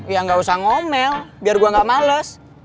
ya nggak usah ngomel biar gue gak males